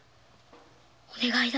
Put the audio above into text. お願いだ。